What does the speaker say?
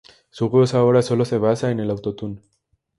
Su voz ahora sólo se basa en el auto-tune.